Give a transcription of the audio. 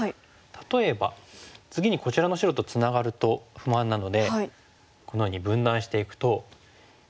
例えば次にこちらの白とツナがると不満なのでこのように分断していくとどうでしょう。